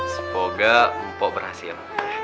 semoga mpok berhasil